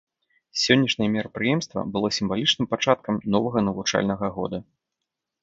Сённяшняе мерапрыемства было сімвалічным пачаткам новага навучальнага года.